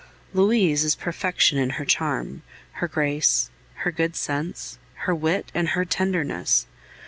Louise is perfection in her charm, her grace, her good sense, her wit, and her tenderness.